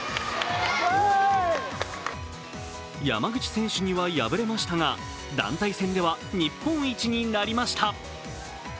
山口選手には敗れましたが、団体戦では日本一になりました。